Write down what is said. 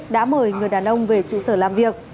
đã mời người đàn ông về trụ sở làm việc